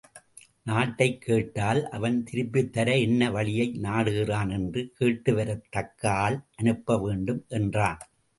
நாட்டைக் கேட்டால் அவன் திருப்பித்தர என்ன வழியை நாடுகிறான் என்று கேட்டுவரத் தக்க ஆள் அனுப்ப வேண்டும் என்றான்.